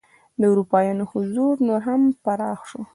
د اروپایانو حضور نور هم پراخ شو.